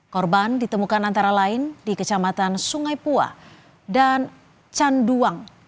korban ditemukan antara lain di kecamatan sungai pua dan canduang